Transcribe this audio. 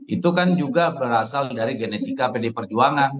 itu kan juga berasal dari genetika pdi perjuangan